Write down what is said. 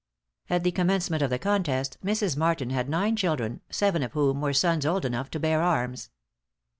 At the commencement of the contest, Mrs. Martin had nine children, seven of whom were sons old enough to bear arms.